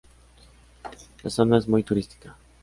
La zona es muy turística.